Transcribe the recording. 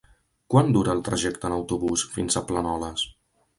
Quant dura el trajecte en autobús fins a Planoles?